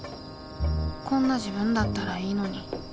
こんな自分だったらいいのに。